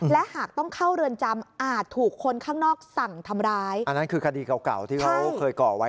และหากต้องเข้าเรือนจำอาจถูกคนข้างนอกสั่งทำร้าย